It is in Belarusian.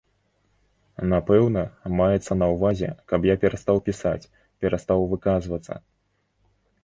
Напэўна, маецца на ўвазе, каб я перастаў пісаць, перастаў выказвацца.